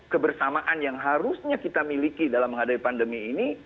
kebersamaan yang harusnya kita miliki dalam menghadapi pandemi ini